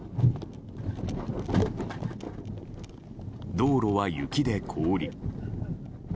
道路は雪で凍り。